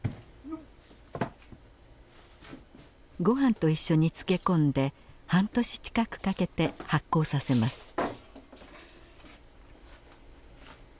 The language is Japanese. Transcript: ご飯と一緒に漬け込んで半年近くかけて発酵させます。